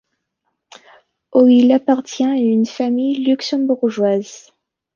Au il appartient à une famille luxembourgeoise.